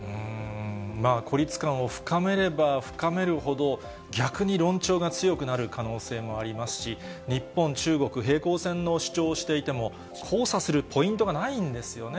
まあ、孤立感を深めれば深めるほど、逆に論調が強くなる可能性もありますし、日本、中国、平行線の主張をしていても、交差するポイントがないんですよね。